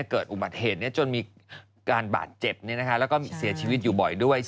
เกิดอุบัติเหตุนี้จนมีการบาดเจ็บแล้วก็เสียชีวิตอยู่บ่อยด้วย